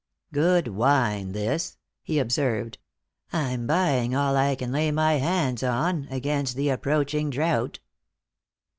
"Good wine, this," he observed. "I'm buying all I can lay my hands on, against the approaching drought."